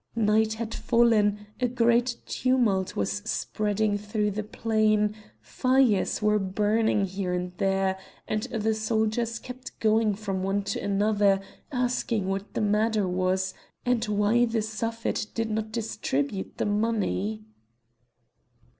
Night had fallen, a great tumult was spreading throughout the plain; fires were burning here and there; and the soldiers kept going from one to another asking what the matter was, and why the Suffet did not distribute the money?